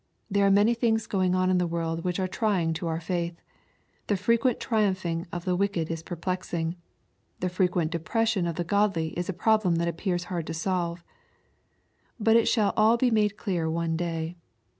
There are many things going on in the world which are trying to our faith. The frequent triumphing of the wicked is perplexing. The frequent depression of the godly is a problem that appears hard to solve. But it shall all be made clear one day.